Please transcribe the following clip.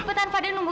cepetan fadil nunggu